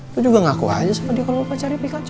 lo juga ngaku aja sama dia kalo pacarnya pikachu